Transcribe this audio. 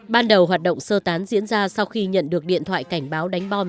ban đầu hoạt động sơ tán diễn ra sau khi nhận được điện thoại cảnh báo đánh bom